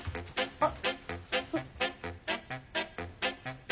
あっ。